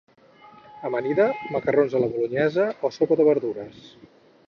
Amanida, macarrons a la bolonyesa o sopa de verdures?